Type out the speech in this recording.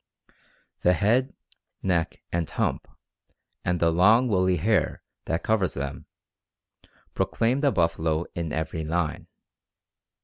The head, neck, and hump, and the long woolly hair that covers them, proclaim the buffalo in every line.